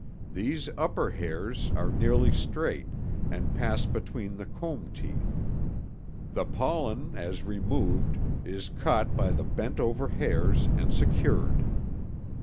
These upper hairs are nearly straight, and pass between the comb teeth. The pollen, as removed, is caught by the bent over hairs, and secured.